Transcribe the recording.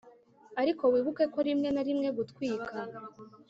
ariko wibuke ko rimwe na rimwe gutwika